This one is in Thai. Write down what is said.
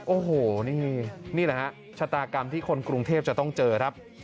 โอ้โหนี่แหละฮะชะตากรรมที่คนกรุงเทพจะต้องเจอครับ